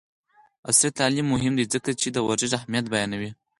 عصري تعلیم مهم دی ځکه چې د ورزش اهمیت بیانوي.